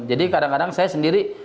jadi kadang kadang saya sendiri